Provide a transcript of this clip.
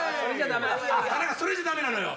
田中それじゃダメなのよ。